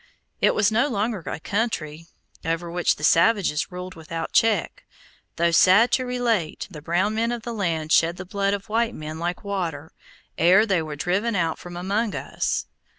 It was no longer a country over which the savages ruled without check, though sad to relate, the brown men of the land shed the blood of white men like water, ere they were driven out from among us.